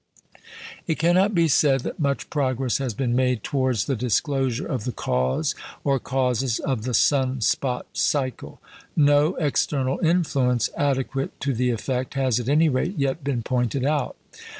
It cannot be said that much progress has been made towards the disclosure of the cause, or causes, of the sun spot cycle. No external influence adequate to the effect has, at any rate, yet been pointed out.